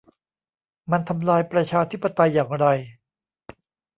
มันทำลายประชาธิปไตยอย่างไร